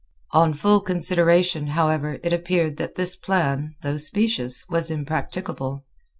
On full consideration, however, it appeared that this plan, though specious, was impracticable.